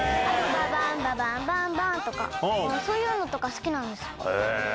ババンババンバンバンそういうのとか好きなんです。